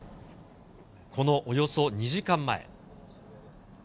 このおよそ２時間前。